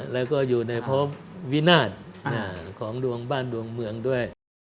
และก็อยู่ในพร้อมวินาทของบ้านดวงเมืองด้วย